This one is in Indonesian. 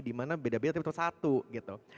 dimana beda beda tapi betul satu gitu